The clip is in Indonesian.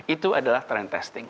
itu adalah tren testing